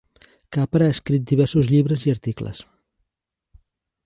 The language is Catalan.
Capra ha escrit diversos llibres i articles.